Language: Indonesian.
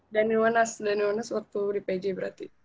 daniel wenas waktu di pj berarti